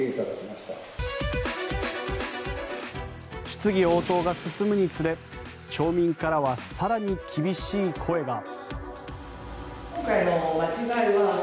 質疑応答が進むにつれ町民からは更に厳しい声が。